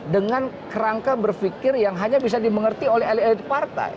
dengan kerangka berpikir yang hanya bisa dimengerti oleh elit elit partai